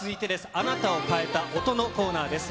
あなたを変えた音のコーナーです。